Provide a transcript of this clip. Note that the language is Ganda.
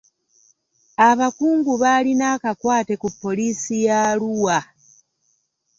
Abakungu baalina akakwate ku poliisi ya Arua.